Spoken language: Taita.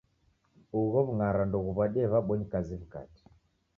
Ugho w'ungara ndoghuw'adie w'abonyi kazi w'ikate.